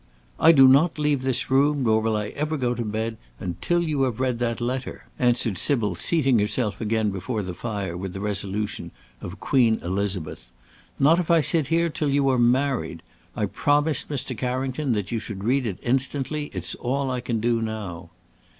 "I do not leave this room, nor will I ever go to bed until you have read that letter," answered Sybil, seating herself again before the fire with the resolution of Queen Elizabeth; "not if I sit here till you are married. I promised Mr. Carrington that you should read it instantly; it's all I can do now."